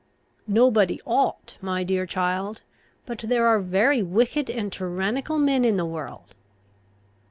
"Nobody ought, my dear child. But there are very wicked and tyrannical men in the world."